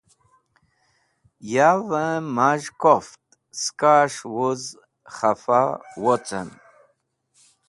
Yavẽ maz̃h koft skas̃h wuz khẽfa wocẽm